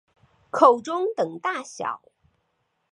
口中等大小。